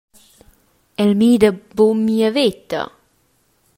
El mida buca mia veta.